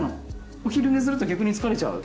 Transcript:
お昼寝すると逆に疲れちゃう？